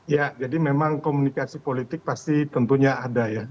ya jadi memang komunikasi politik pasti tentunya ada ya